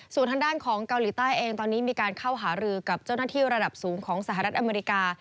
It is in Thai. ส่วนทางด้านของเกาหลีใต้เองตอนนี้มีการเข้าหารือกับเจ้าหน้าที่ระดับสูงของสหรัฐอเมริกา